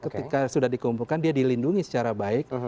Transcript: ketika sudah dikumpulkan dia dilindungi secara baik